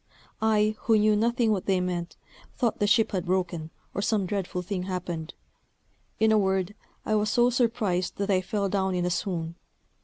I, who knew nothing what they meant, thought the ship had broken, or some dreadful thing happened. In a word, I was so surprised that I fell down in a swoon.